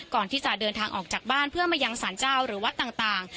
ก่อนที่จะเดินทางออกจากบ้านเพื่อมายังสารเจ้าหรือวัดต่าง